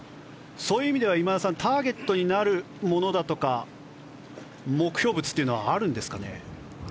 そういう意味では今田さんターゲットになるものだとか目標物というのはあるんですかね？